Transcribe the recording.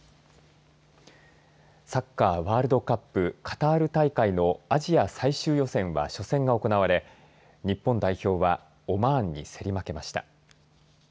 サッカーワールドカップカタール大会のアジア最終予選は初戦が行われ日本代表はオマーンに競り負けました。